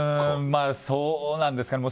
そうなんですかね。